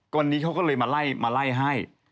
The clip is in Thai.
วันนี้เขาก็เลยมาไล่ให้